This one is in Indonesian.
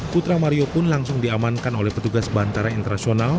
putra mario pun langsung diamankan oleh petugas bandara internasional